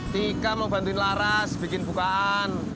tika mau bantu laras bikin bukaan